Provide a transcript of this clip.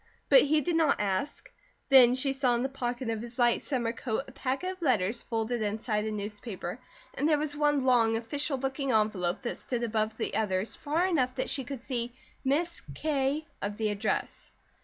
But he did not ask. Then she saw in the pocket of his light summer coat a packet of letters folded inside a newspaper, and there was one long, official looking envelope that stood above the others far enough that she could see "Miss K " of the address.